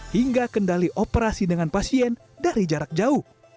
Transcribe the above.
hingga kendali operasi dengan pasien dari jarak jauh